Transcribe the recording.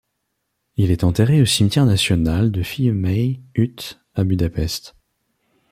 Il est enterré au Cimetière national de Fiumei út à Budapest.